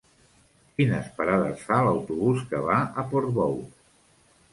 Quines parades fa l'autobús que va a Portbou?